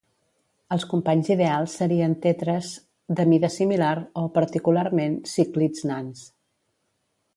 Els companys ideals serien tetres de mida similar o, particularment, cíclids nans.